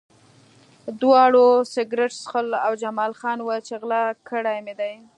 دواړو سګرټ څښل او جمال خان وویل چې غلا کړي مې دي